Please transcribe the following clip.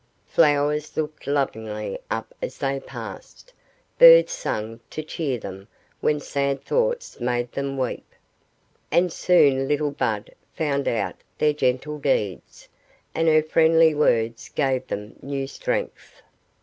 Flowers looked lovingly up as they passed, birds sang to cheer them when sad thoughts made them weep. And soon little Bud found out their gentle deeds, and her friendly words gave them new strength.